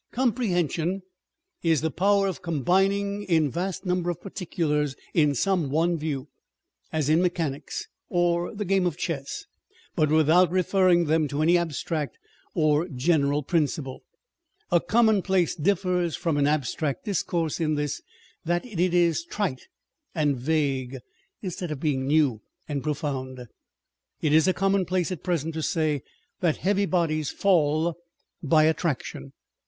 Comprehension is the power of combining a vast number of particulars in some one view, as in mechanics, or the game of chess, but without referring them to any abstract or general principle. A common place differs from an abstract discourse in this, that it is trite and vague, instead of being new and profound. It is a commonplace at present to say that heavy bodies fall by attraction.